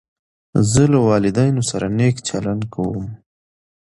زه له والدینو سره نېک چلند کوم.